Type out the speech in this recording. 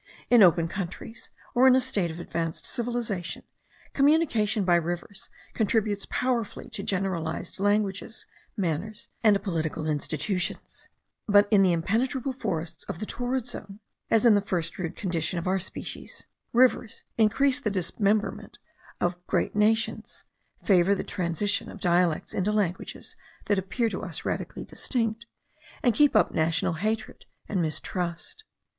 In open countries, or in a state of advanced civilization, communication by rivers contributes powerfully to generalize languages, manners, and political institutions; but in the impenetrable forests of the torrid zone, as in the first rude condition of our species, rivers increase the dismemberment of great nations, favour the transition of dialects into languages that appear to us radically distinct, and keep up national hatred and mistrust.